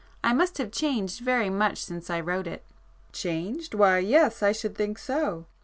I must have changed very much since I wrote it." "Changed? Why yes, I should think so!"